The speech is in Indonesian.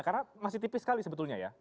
karena masih tipis sekali sebetulnya ya